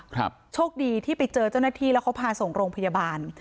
โชคดีที่ไปเจอเจ้าหน้าที่แล้วเขาพาส่งโรงพยาบาล